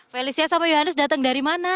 kalisya sama johannes datang dari mana